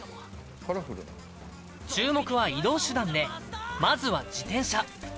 注目は移動手段でまずは自転車。